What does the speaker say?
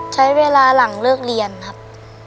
ใช้เวลาหลังเลิกเรียนครับ